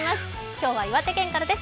今日は岩手県からです。